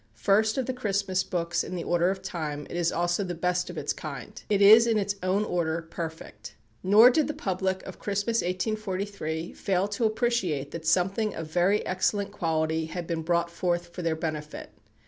First of the Christmas books in the order of time, it is also the best of its own kind; it is in its own order perfect. Nor did the public of Christmas, 1843, fail to appreciate that something of very excellent quality had been brought forth for their benefit.